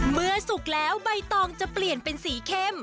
สุกแล้วใบตองจะเปลี่ยนเป็นสีเข้ม